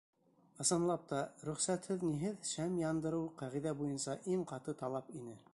Ысынлап та, рөхсәтһеҙ-ниһеҙ шәм яндырыу ҡағиҙә буйынса иң ҡаты талап ине.